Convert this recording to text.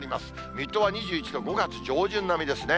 水戸は２１度、５月上旬並みですね。